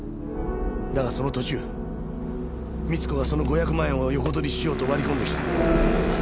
だがその途中三津子がその５００万円を横取りしようと割り込んできた。